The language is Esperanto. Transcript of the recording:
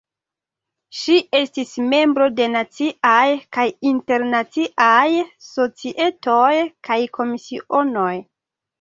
Ŝi estis membro de Naciaj kaj Internaciaj Societoj kaj Komisionoj.